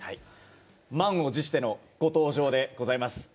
満を持してのご登場でございます。